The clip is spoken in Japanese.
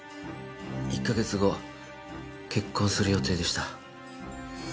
１カ月後結婚する予定でした。